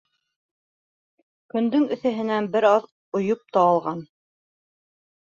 Көндөң эҫеһенән бер аҙ ойоп та алған.